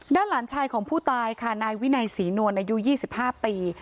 ด้านหลานชายของผู้ตายค่ะนายวินัยศรีนวลอายุยี่สิบห้าปี